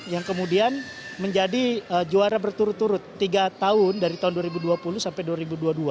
yang kemudian menjadi juara berturut turut tiga tahun dari tahun dua ribu dua puluh sampai dua ribu dua puluh dua